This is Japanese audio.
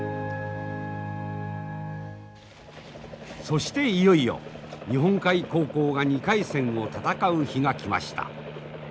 そしていよいよ日本海高校が２回戦を戦う日が来ました。